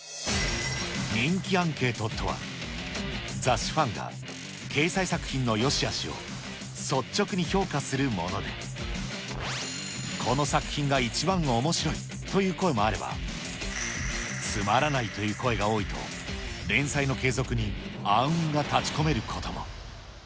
人気アンケートとは、雑誌ファンが掲載作品のよしあしを率直に評価するもので、この作品が一番おもしろいという声もあれば、つまらないという声が多いと、連載の継続に暗雲が立ち込めることも。